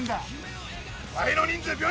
倍の人数病院